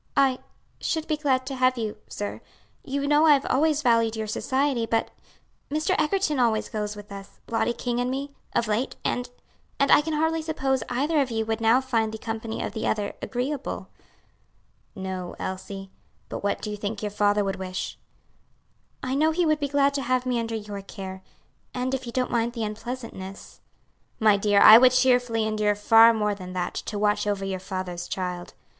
"I should be glad to have you, sir; you know I have always valued your society, but Mr. Egerton always goes with us Lottie King and me of late; and and I can hardly suppose either of you would now find the company of the other agreeable." "No, Elsie; but what do you think your father would wish?" "I know he would be glad to have me under your care, and if you don't mind the unpleasantness." "My dear, I would cheerfully endure far more than that, to watch over your father's child.